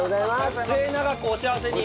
末永くお幸せに。